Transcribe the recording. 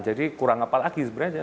jadi kurang apa lagi sebenarnya